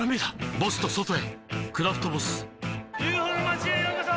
ボスと外へ「クラフトボス」ＵＦＯの町へようこそ！